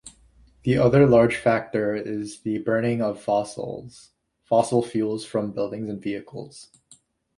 The other large factor is the burning of fossil fuels from buildings and vehicles.